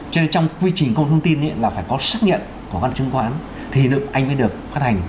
cho nên trong quy trình công thông tin là phải có xác nhận của văn chứng quán thì anh mới được phát hành